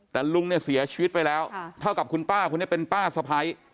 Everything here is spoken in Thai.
แต่ลุงเนี่ยเสียชีวิตไปแล้วเท่ากับคุณป้าคนนี้เป็นป้าสะพ้าย